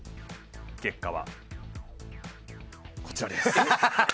結果は、こちらです。